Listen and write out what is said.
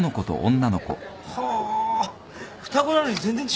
はあ双子なのに全然違うんだな。